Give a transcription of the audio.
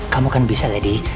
kamu kan bisa lady